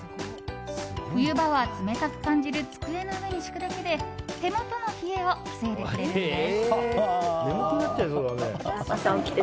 冬場は冷たく感じる机の上に敷くだけで手元の冷えを防いでくれるんです。